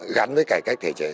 gắn với cải cách thể chế